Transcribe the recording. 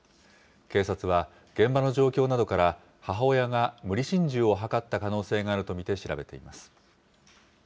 警察は現場の状況などから母親が無理心中を図った可能性があると見て調べています。